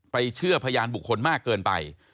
เชื่อพยานบุคคลมากเกินไป